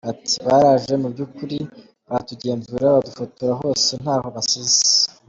Ati “Baraje mu by’ukuri baratugenzura badufotora hose ntaho basize.